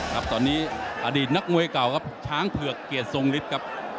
ครับตอนนี้อดีตนักมวยเก่าครับช้างเผือกเกียรติทรงฤทธิ์ครับ